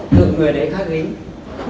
tự người đấy khác gính